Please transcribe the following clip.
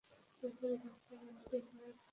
একজন ডাক্তার না-কি অভিযোগ দায়ের করেছে।